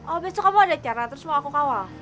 oh besok kamu ada acara terus mau aku kawal